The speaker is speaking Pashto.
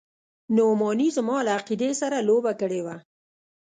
نعماني زما له عقيدې سره لوبه کړې وه.